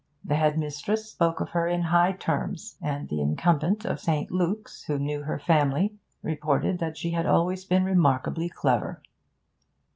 The headmistress spoke of her in high terms, and the incumbent of St. Luke's, who knew her family, reported that she had always been remarkably clever.